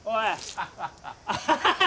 アハハハハ！